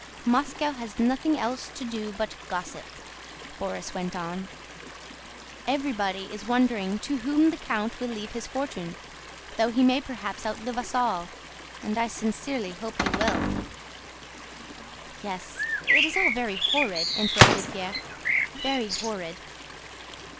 "Moscow has nothing else to do but gossip," Borís went on. "Everybody is wondering to whom the count will leave his fortune, though he may perhaps outlive us all, as I sincerely hope he will..." "Yes, it is all very horrid," interrupted Pierre, "very horrid."